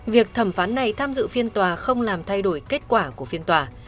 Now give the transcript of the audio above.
việc thẩm phán này tham dự phiên tòa không làm thay đổi kết quả của phiên tòa